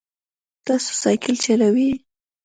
تاسو سایکل چلوئ؟